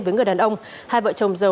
với người đàn ông hai vợ chồng dầu